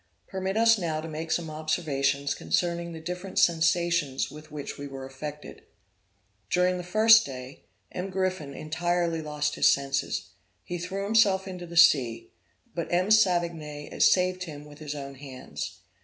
Permit us now to make some observations concerning the different sensations with which we were affected. During the first day, M. Griffon entirely lost his senses. He threw himself into the sea, but M. Savigny saved him with his own hands.